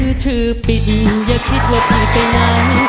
มือถือปิดอยู่อย่าคิดละพี่ไปนั้น